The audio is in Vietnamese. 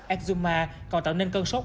exuma còn tạo nên cân sốt